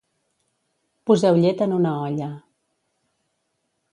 Poseu llet en una olla.